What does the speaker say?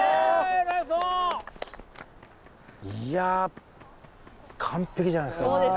いやぁ完璧じゃないですか。